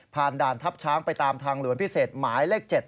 ด่านทัพช้างไปตามทางหลวงพิเศษหมายเลข๗